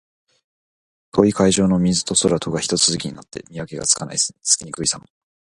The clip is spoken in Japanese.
遠い海上の水と空とがひと続きになって、見分けがつきにくいさま。